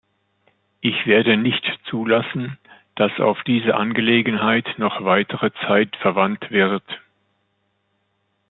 Ich werde nicht zulassen, dass auf diese Angelegenheit noch weitere Zeit verwandt wird.